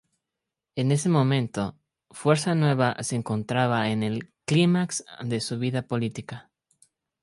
En ese momento, Fuerza Nueva se encontraba en el clímax de su vida política.